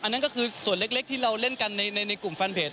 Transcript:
นั่นก็คือส่วนเล็กที่เราเล่นกันในกลุ่มแฟนเพจ